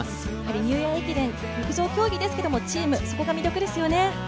ニューイヤー駅伝、陸上競技ですけども、チーム、そこが魅力ですよね。